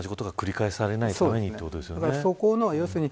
同じことが繰り返されないためにということですね。